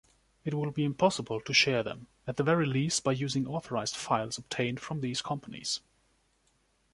It will be impossible to share them, at the very least by using authorized files obtained from these companies.